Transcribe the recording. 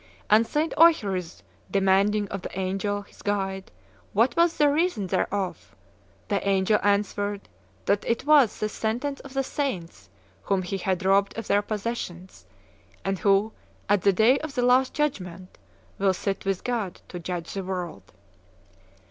And St. Eucherius demanding of the angel, his guide, what was the reason thereof, the angel answered that it was by sentence of the saints whom he had robbed of their possessions, and who, at the day of the last judgment, will sit with God to judge the world."